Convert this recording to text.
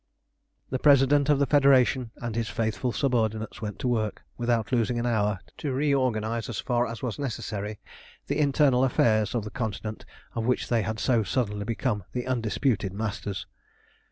The President of the Federation and his faithful subordinates went to work, without losing an hour, to reorganise as far as was necessary the internal affairs of the continent of which they had so suddenly become the undisputed masters.